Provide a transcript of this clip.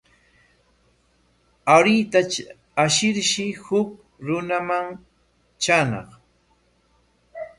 Aruyta ashirshi huk runaman traañaq.